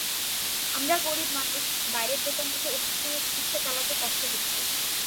আমরা গরিব মানুষ, বাইরের দোকান থেকে ওষুধ কিনে চিকিৎসা চালাতে কষ্ট হচ্ছে।